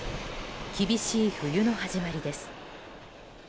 厳しい冬の始まりです。